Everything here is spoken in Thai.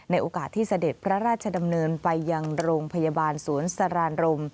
โอกาสที่เสด็จพระราชดำเนินไปยังโรงพยาบาลสวนสรานรม